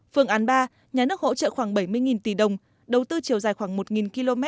phương án ba nhà nước hỗ trợ khoảng bảy mươi tỷ đồng đầu tư chiều dài khoảng một km